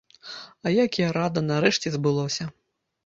А як я рада, нарэшце збылося!